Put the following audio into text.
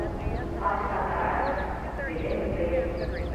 Аҡса тарат, белем йый.